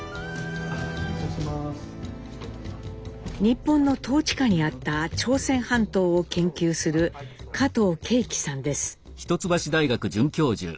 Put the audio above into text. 日本の統治下にあった朝鮮半島を研究する喜一郎が営んだ店の広告です。